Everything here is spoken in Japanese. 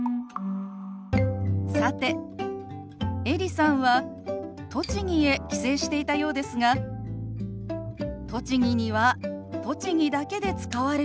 さてエリさんは栃木へ帰省していたようですが栃木には栃木だけで使われる手話